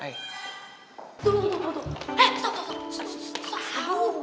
hei tunggu tunggu